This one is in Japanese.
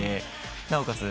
なおかつ